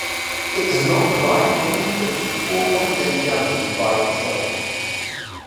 It does not provide any encryption or confidentiality by itself.